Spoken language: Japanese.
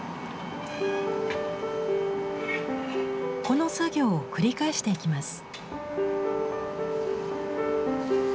この作業を繰り返していきます。